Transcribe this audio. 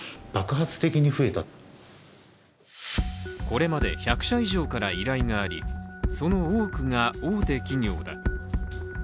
これまで１００社以上から依頼がありその多くが大手企業だ。